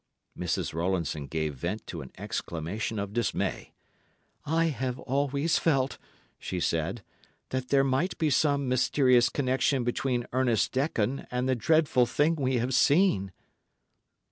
Mrs. Rowlandson gave vent to an exclamation of dismay. "I have always felt," she said, "that there might be some mysterious connection between Ernest Dekon and the dreadful thing we have seen."